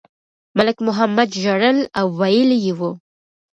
ملک محمد ژړل او ویلي یې وو.